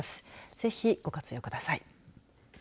ぜひ、ご活用ください。